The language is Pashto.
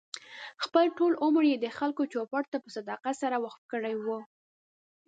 خپل ټول عمر یې د خلکو چوپـړ ته په صداقت سره وقف کړی و.